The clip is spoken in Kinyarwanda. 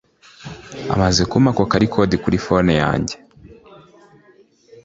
amaze kumpa ako ka record kuri phone yanjye